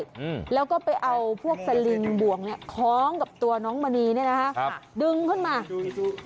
อืมแล้วก็ไปเอาพวกสลิงบ่วงเนี้ยคล้องกับตัวน้องมณีเนี้ยนะฮะครับดึงขึ้นมาดูสิ